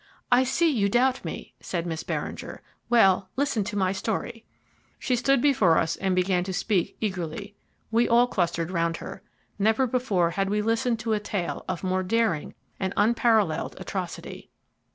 "I see you doubt me," said Miss Beringer. "Well, listen to my story." She stood before us and began to speak eagerly. We all clustered round her. Never before had we listened to a tale of more daring and unparalleled atrocity.